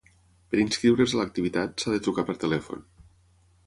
Per inscriure's a l'activitat, s'ha de trucar per telèfon.